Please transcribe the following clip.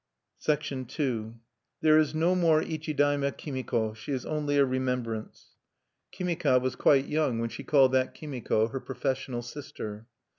II There is no more Ichi dai me Kimiko: she is only a remembrance. Kimika was quite young when she called that Kimiko her professional sister.